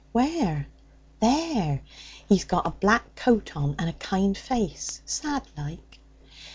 'Where?' 'There. He's got a black coat on and a kind face, sad like.'